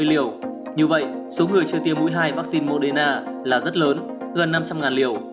như vậy số người chưa tiêm mũi hai vaccine moderna là rất lớn gần năm trăm linh liều